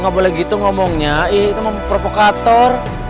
ga boleh gitu ngomongnya iya itu mah provokator